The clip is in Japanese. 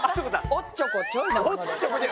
おっちょこちょいなもので。